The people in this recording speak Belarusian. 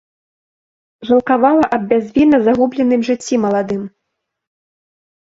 Жалкавала аб бязвінна загубленым жыцці маладым.